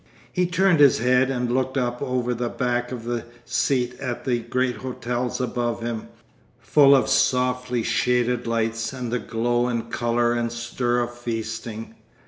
He turned his head and looked up over the back of the seat at the great hotels above him, full of softly shaded lights and the glow and colour and stir of feasting.